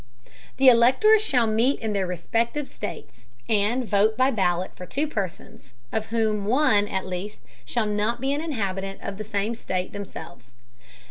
The Electors shall meet in their respective States, and vote by Ballot for two Persons, of whom one at least shall not be an Inhabitant of the same State with themselves.